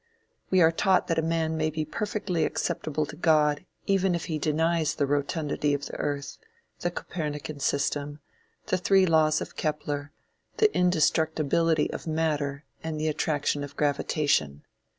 We are taught that a man may be perfectly acceptable to God even if he denies the rotundity of the earth, the Copernican system, the three laws of Kepler, the indestructibility of matter and the attraction of gravitation.